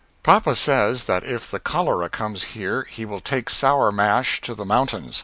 _ Papa says that if the collera comes here he will take Sour Mash to the mountains.